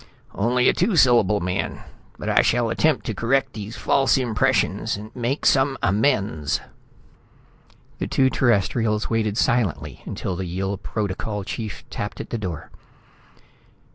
"Only a two syllable man, but I shall attempt to correct these false impressions, make some amends...." The two Terrestrials waited silently until the Yill Protocol chief tapped at the door.